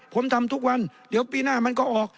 ผมทำทุกวันเดี๋ยวปีหน้ามันก็ออก